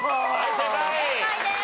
正解です。